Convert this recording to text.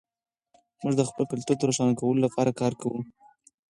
موږ د خپل کلتور د روښانه کولو لپاره کار کوو.